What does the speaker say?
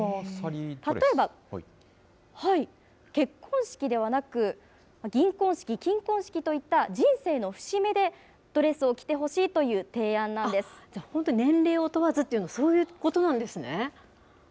例えば、結婚式ではなく銀婚式、金婚式といった人生の節目でドレスを着てほしいという提案なんでじゃあ本当に年齢を問わずというのは、そういうことなんですね。